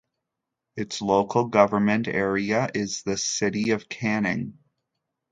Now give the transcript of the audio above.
Its local government area is the City of Canning.